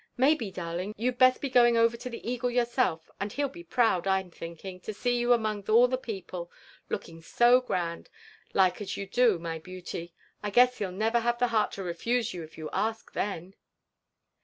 Maybe, darling, you'd best be going over to the Eagle yourself; and he'll be proud^ I'm thinking, to see yot^ atnong all the people, looking so grand, like as you do, my beauty. I guess he'll never have the heart to refuse you if you ask, then."